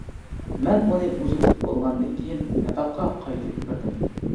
مەن ئۇنى ئۇزىتىپ بولغاندىن كىيىن، ياتاققا قايتىپ كىردىم.